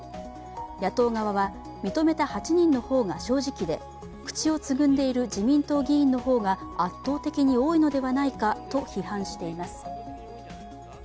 野党側は、認めた８人の方が正直で、口をつぐんでいる自民党議員の方が圧倒的に多いのではないかと批判しています。